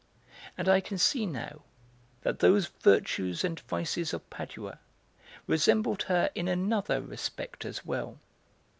And I can see now that those Virtues and Vices of Padua resembled her in another respect as well.